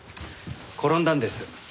転んだんです。